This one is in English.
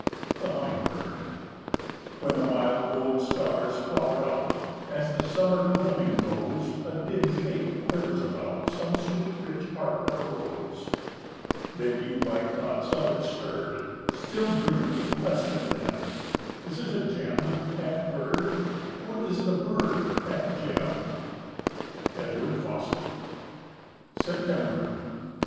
The humming bird. "When the mild gold stars flower out, As the summer gloaming goes, A dim shape quivers about Some sweet rich heart of a rose. "Then you, by thoughts of it stirred, Still dreamily question them, 'Is it a gem, half bird, Or is it a bird, half gem?'" —Edgar Fawcett. September.